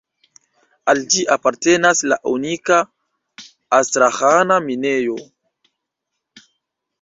Al ĝi apartenas la unika Astraĥana minejo.